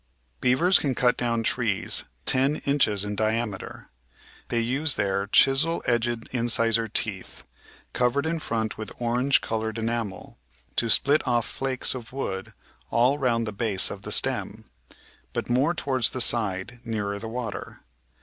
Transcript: Beavers can cut down trees 10 inches in diameter; they use their chisel edged incisor teeth, covered in front with orange coloured enamel, to split off flakes of wood all round the base of the stem, but more towards the side nearer the water.